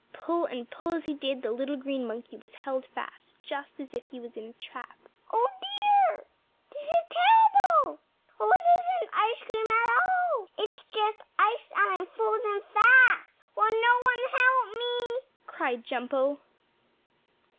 Pull and pull as he did, the little green monkey was held fast, just as if he was in a trap. "Oh, dear! This is terrible! Oh, it isn't ice cream at all. It's just ice, and I'm frozen fast. Will no one help me?" cried Jumpo.